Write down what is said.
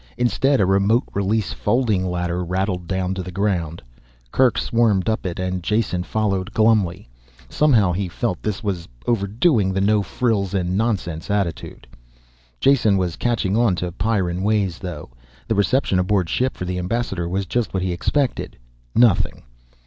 Instead a remote release folding ladder rattled down to the ground. Kerk swarmed up it and Jason followed glumly. Somehow, he felt, this was overdoing the no frills and nonsense attitude. Jason was catching on to Pyrran ways though. The reception aboard ship for the ambassador was just what he expected. Nothing.